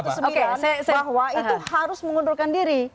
bahwa itu harus mengundurkan diri